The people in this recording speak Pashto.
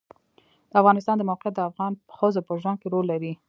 د افغانستان د موقعیت د افغان ښځو په ژوند کې رول لري.